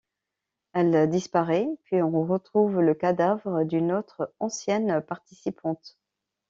Elle disparaît, puis on retrouve le cadavre d'une autre ancienne participante.